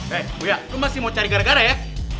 hei buya lo masih mau cari gara gara ya